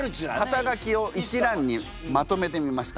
肩書を一覧にまとめてみました。